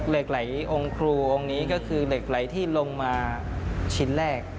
เหล็กไหลองค์ครูองค์นี้ก็คือเหล็กไหลที่ลงมาชิ้นแรก